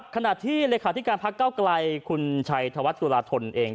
ขณะที่ราคาที่การพักเก้าไกลคุณชัยธวัฒน์กุราธนตร์เอง